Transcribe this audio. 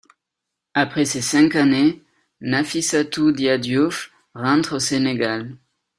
Après ces cinq années, Nafissatou Dia Diouf rentre au Sénégal.